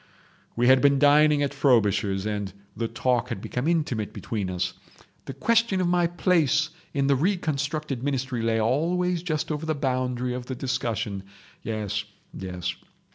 We had been dining at Frobisher's, and the talk had become intimate between us. The question of my place in the reconstructed ministry lay always just over the boundary of the discussion. Yes—yes.